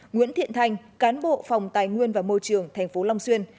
nguyễn thiện thanh cán bộ phòng tài nguyên và môi trường tp long xuyên